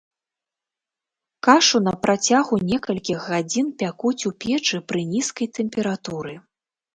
Кашу на працягу некалькіх гадзін пякуць у печы пры нізкай тэмпературы.